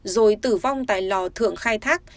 rồi tử vong tại lò thượng khai thác